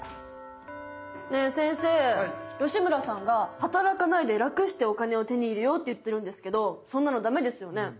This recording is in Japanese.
ねえ先生吉村さんが働かないで楽してお金を手に入れようって言ってるんですけどそんなのダメですよね。